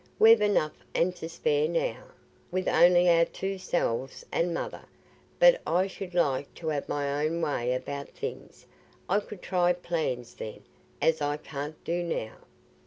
We've enough and to spare now, with only our two selves and mother; but I should like t' have my own way about things—I could try plans then, as I can't do now."